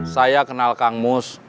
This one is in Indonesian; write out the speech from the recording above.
saya kenal kang mus